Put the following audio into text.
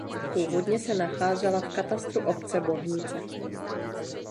Původně se nacházela v katastru obce Bohnice.